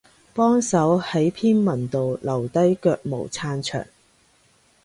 幫手喺篇文度留低腳毛撐場